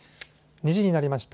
２時になりました。